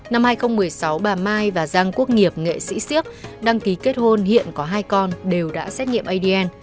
năm hai nghìn một mươi sáu bà mai và giang quốc nghiệp nghệ sĩ siếc đăng ký kết hôn hiện có hai con đều đã xét nghiệm adn